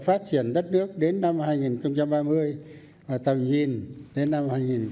phát triển đất nước đến năm hai nghìn ba mươi và tầm nhìn đến năm hai nghìn bốn mươi năm